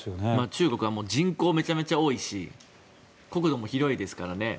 中国は人口がめちゃくちゃ多いし国土も広いですからね。